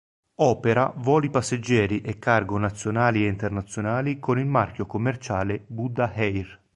Opera voli passeggeri e cargo nazionali e internazionali con il marchio commerciale Buddha Air.